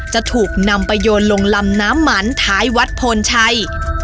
จะถูกนำไปโยนลงลำน้ำมันท้ายวัดโพนชัย